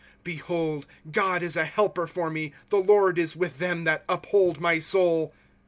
* Behold, God is a helper for me ; The Lord is with them that uphold my soul.